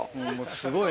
すごいね。